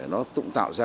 nó tụng tạo ra